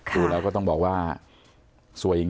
ดูแล้วก็ต้องบอกว่าสวยจริง